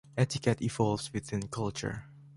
Etiquette evolves within culture.